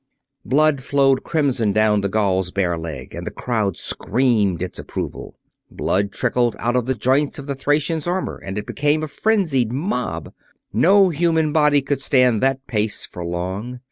Blood flowed crimson down the Gaul's bare leg and the crowd screamed its approval. Blood trickled out of the joints of the Thracian's armor and it became a frenzied mob. No human body could stand that pace for long.